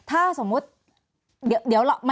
แอนตาซินเยลโรคกระเพาะอาหารท้องอืดจุกเสียดแสบร้อน